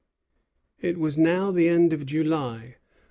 It was now the end of July.